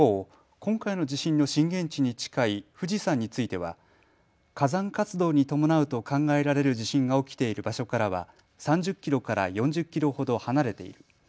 今回の地震の震源地に近い富士山については火山活動に伴うと考えられる地震が起きている場所からは３０キロから４０キロほど離れている。